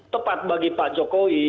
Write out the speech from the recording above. tepat bagi pak jokowi